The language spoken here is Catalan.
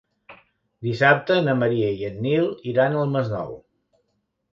Dissabte na Maria i en Nil iran al Masnou.